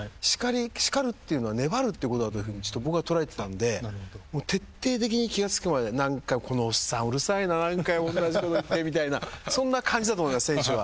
叱るっていうのは粘るってことだというふうに僕は捉えてたんで徹底的に気が付くまで何かこのおっさんうるさいな何回もおんなじこと言ってみたいなそんな感じだと思います選手は。